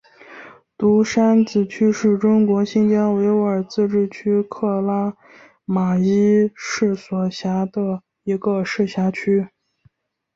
独山子区是中国新疆维吾尔自治区克拉玛依市所辖的一个市辖区。